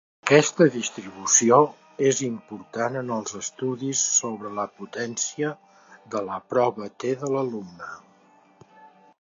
Aquesta distribució és important en els estudis sobre la potència de la prova "t" de l'alumne.